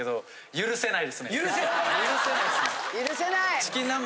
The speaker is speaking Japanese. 許せない！